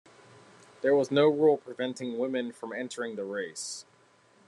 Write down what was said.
There was no rule preventing woman from entering the race.